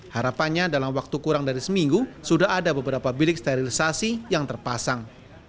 harapannya dalam waktu kurang dari seminggu sudah ada beberapa bilik sterilisasi yang terpasang